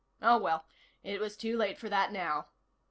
Oh, well, it was too late for that now.